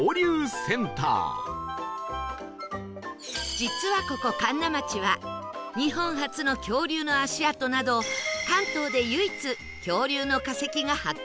実はここ神流町は日本初の恐竜の足跡など関東で唯一恐竜の化石が発掘される場所で